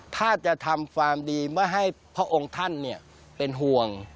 ถ้าจะทำความดีเมื่อให้พระองค์ท่านเป็นห่วง